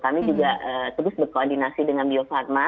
kami juga terus berkoordinasi dengan bio farma